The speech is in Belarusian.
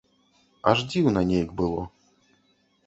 Аж дзіўна нейк было.